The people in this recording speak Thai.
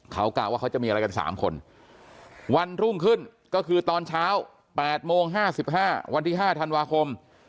เขากะว่าเขาจะมีอะไรกัน๓คนวันรุ่งขึ้นก็คือตอนเช้า๘โมง๕๕วันที่๕ธันวาคม